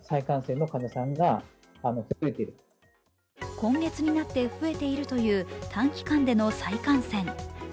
今月になって増えているという短期間での再感染。